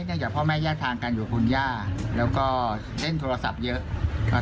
เพราะแม่แยกทางกันอยู่คนย่าแล้วก็เล่นโทรศัพท์เยอะ